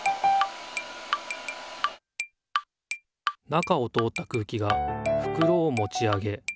中を通った空気がふくろをもち上げ